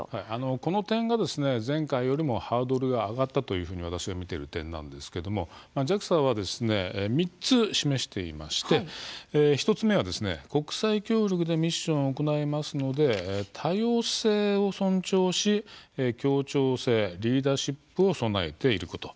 この点が前回よりもハードルが上がったと私が見ているところなんですがＪＡＸＡは３つ示していまして１つ目は国際協力でミッションを行いますので多様性を尊重し協調性、リーダーシップを備えていること。